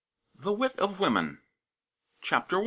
] THE WIT OF WOMEN. CHAPTER I.